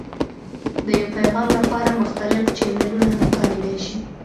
د یو پیغام لپاره مختلف چینلونه هم کارېدای شي.